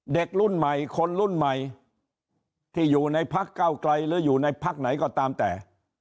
เด็กรุ่นใหม่คนรุ่นใหม่ที่อยู่ในพักเก้าไกลหรืออยู่ในพักไหนก็ตามแต่